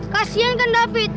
kasian kan david